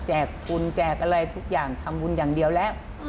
ทุนแจกอะไรทุกอย่างทำบุญอย่างเดียวแล้ว